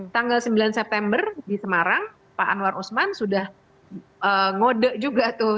tanggal sembilan september di semarang pak anwar usman sudah ngode juga tuh